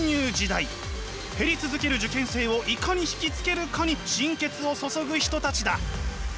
減り続ける受験生をいかに引き付けるかに心血を注ぐ人たちだ。